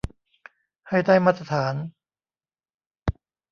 ให้ได้มาตรฐาน